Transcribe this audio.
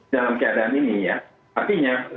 dalam keadaan ini ya artinya